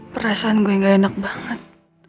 perasaan gue gak enak banget